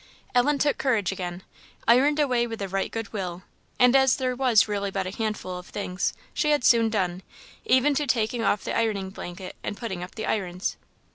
Ellen took courage again ironed away with right good will; and as there was really but a handful of things, she had soon done, even to taking off the ironing blanket and putting up the irons.